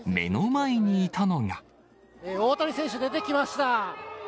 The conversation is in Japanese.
大谷選手、出てきました。